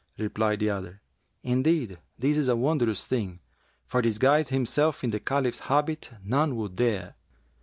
Replied the other, 'Indeed this is a wondrous thing, for disguise himself in the Caliph's habit none would dare.'